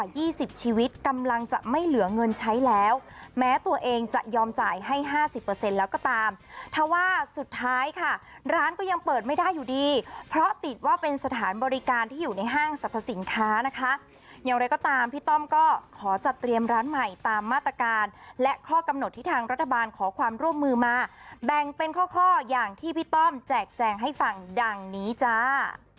ี่สิบชีวิตกำลังจะไม่เหลือเงินใช้แล้วแม้ตัวเองจะยอมจ่ายให้ห้าสิบเปอร์เซ็นต์แล้วก็ตามถ้าว่าสุดท้ายค่ะร้านก็ยังเปิดไม่ได้อยู่ดีเพราะติดว่าเป็นสถานบริการที่อยู่ในห้างสรรพสินค้านะคะอย่างไรก็ตามพี่ต้อมก็ขอจัดเตรียมร้านใหม่ตามมาตรการและข้อกำหนดที่ทางรัฐบาลขอความร่วมมือมาแบ่งเป็นข้อข้ออย่างที่พี่ต้อมแจกแจงให้ฟังดังนี้จ้า